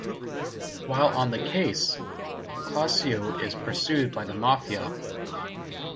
While on the case, Clouseau is pursued by the Mafia.